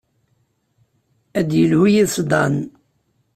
Ad d-yelhu yes-s Dan.